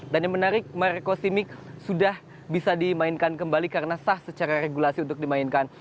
dan yang menarik marekosimik sudah bisa dimainkan kembali karena sah secara regulasi untuk dimainkan